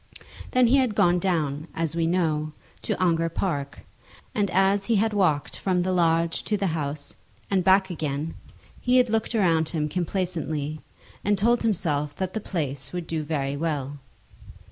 Then he had gone down, as we know, to Ongar Park, and as he had walked from the lodge to the house and back again, he had looked around him complacently, and told himself that the place would do very well.